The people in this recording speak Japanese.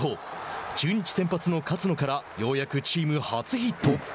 中日先発の勝野からようやくチーム初ヒット。